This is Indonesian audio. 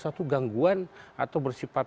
suatu gangguan atau bersifat